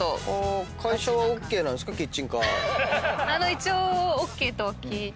一応ＯＫとは聞いて。